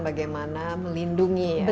bagaimana melindungi ya